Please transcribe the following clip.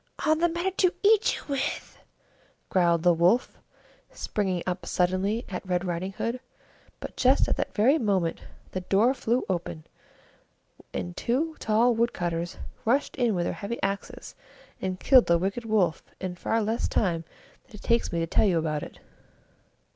"All the better to eat you with!" growled the Wolf, springing up suddenly at Red Riding Hood. But just at that very moment the door flew open, and two tall wood cutters rushed in with their heavy axes, and killed the wicked Wolf in far less time than it takes me to tell you about it.